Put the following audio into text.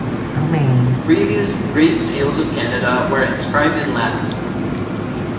Previous Great Seals of Canada were inscribed in Latin.